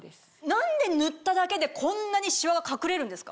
何で塗っただけでこんなにシワが隠れるんですか？